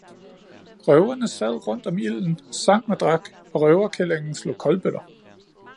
Røverne sad rundt om ilden, sang og drak, og røverkællingen slog kolbøtter